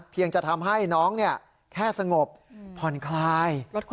จะทำให้น้องแค่สงบผ่อนคลาย